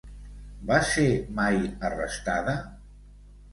Va ser mai arrestada?